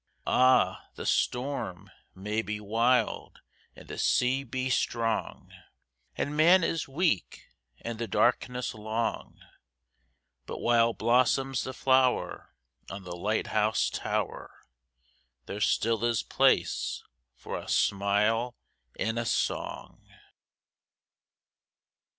Ah, the storm may be wild and the sea be strong, And man is weak and the darkness long, But while blossoms the flower on the light house tower There still is place for a smile and a song.